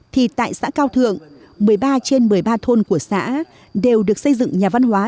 thì tại xã cao thượng một mươi ba trên một mươi ba thôn của xã đều được xây dựng nhà văn hóa